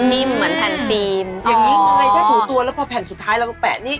อย่างนี้ไงถ้าถูตัวแล้วพอแผ่นสุดท้ายเราแปะนี่